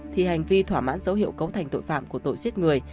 thì hành vi thỏa mãn dấu hiệu cấu thành tội phạm của tội giết người